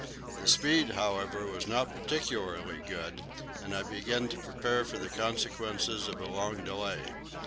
The speed, however, was not particularly good, and I began to prepare for the consequences of a long delay.